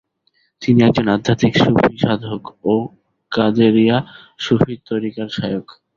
তিনি একজন আধ্যাত্মিক সুফি সাধক ও কাদেরিয়া সুফি তরিকার শায়খ।